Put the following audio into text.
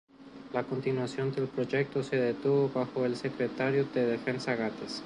La continuación del proyecto se detuvo bajo el Secretario de Defensa Gates.